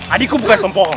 adiku bukan pembohong